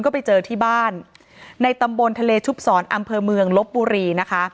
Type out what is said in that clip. ก็ไปเจอที่บ้านในตำบลทะเลชุบศรอำเภอเมืองลบบุรีนะคะ